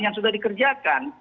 yang sudah dikerjakan